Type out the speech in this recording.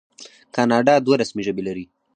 کاناډا دوه رسمي ژبې لري.